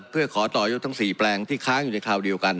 เพื่อขอต่อยกทั้ง๔แปลงที่ค้างอยู่ในคราวเดียวกัน